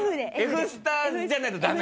Ｆスタじゃないとダメ？